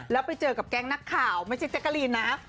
แล้วไปเจอกับแก๊งนักข่าวไม่ใช่แจ๊กกะลีนนะ